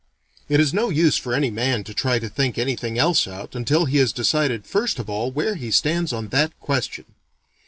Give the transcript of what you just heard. It is no use for any man to try to think anything else out until he has decided first of all where he stands on that question.